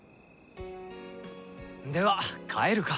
では帰るか。